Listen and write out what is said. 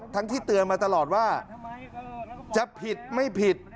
ที่เตือนมาตลอดว่าจะผิดไม่ผิด